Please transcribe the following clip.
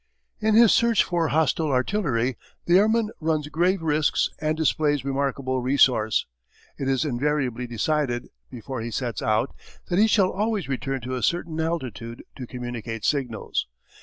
In his search for hostile artillery the airman runs grave risks and displays remarkable resource. It is invariably decided, before he sets out, that he shall always return to a certain altitude to communicate signals.